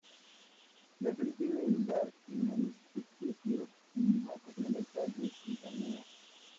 La serie tiene lugar en el ficticio y mágico planeta de Eternia.